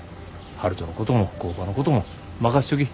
悠人のことも工場のことも任しとき。